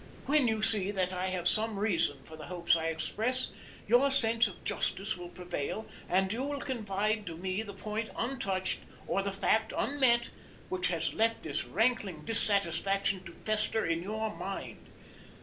When you see that I have some reason for the hopes I express, your sense of justice will prevail and you will confide to me the point untouched or the fact unmet, which has left this rankling dissatisfaction to fester in your mind.